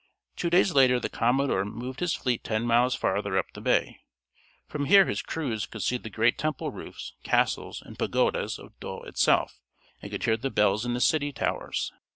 Two days later the commodore moved his fleet ten miles farther up the bay. From here his crews could see the great temple roofs, castles, and pagodas of Yedo itself, and could hear the bells in the city towers.